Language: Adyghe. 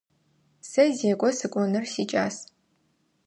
Сэ зекӏо сыкӏоныр сикӏас.